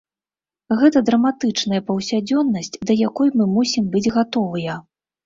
Гэта драматычная паўсядзённасць, да якой мы мусім быць гатовыя.